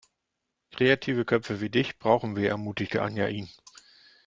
Kreative Köpfe wie dich brauchen wir, ermutigte Anja ihn.